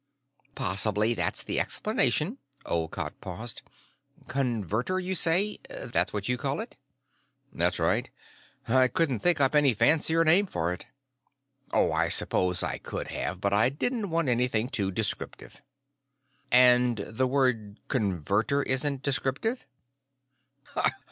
"Possibly that is the explanation." Olcott paused. "Converter, you say? That's what you call it?" "That's right. I couldn't think up any fancier name for it. Oh, I suppose I could have, but I didn't want anything too descriptive." "And the word 'converter' isn't descriptive?"